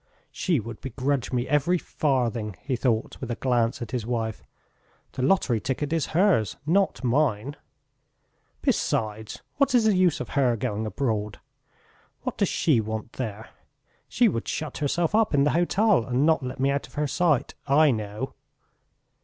"She would begrudge me every farthing," he thought, with a glance at his wife. "The lottery ticket is hers, not mine! Besides, what is the use of her going abroad? What does she want there? She would shut herself up in the hotel, and not let me out of her sight.... I know!"